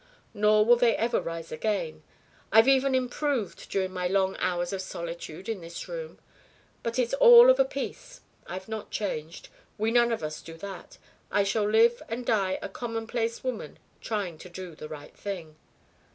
Nor will they ever rise again. I've even 'improved' during my long hours of solitude in this room, but it's all of a piece. I've not changed. We none of us do that. I shall live and die a commonplace woman trying to do the 'right thing.'"